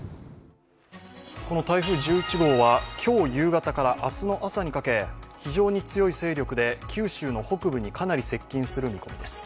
この台風１１号は今日夕方から明日の朝にかけ非常に強い勢力で九州の北部にかなり接近する見込みです。